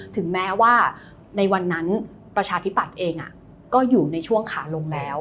ถึงแม้ว่าในวันนั้นประชาธิปัตย์เองก็อยู่ในช่วงขาลงแล้ว